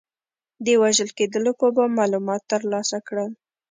د وژل کېدلو په باب معلومات ترلاسه کړل.